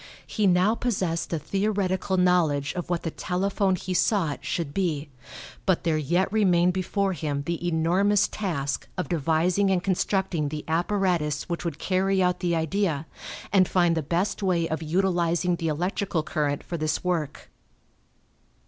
He now possessed a theoretical knowledge of what the telephone he sought should be, but there yet remained before him the enormous task of devising and constructing the apparatus which would carry out the idea, and find the best way of utilizing the electrical current for this work.